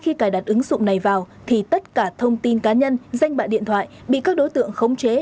khi cài đặt ứng dụng này vào thì tất cả thông tin cá nhân danh bạ điện thoại bị các đối tượng khống chế